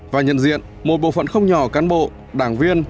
và nhận diện một bộ phận không nhỏ cán bộ đảng viên